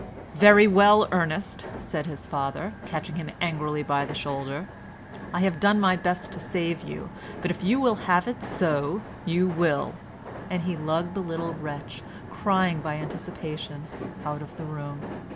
"Very well, Ernest," said his father, catching him angrily by the shoulder. "I have done my best to save you, but if you will have it so, you will," and he lugged the little wretch, crying by anticipation, out of the room.